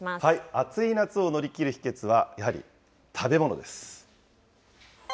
暑い夏を乗り切る秘けつは、やはり食べ物です。